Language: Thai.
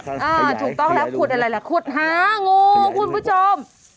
ถูกต้องแล้วขุดอะไรล่ะขุดหางูคุณผู้ชม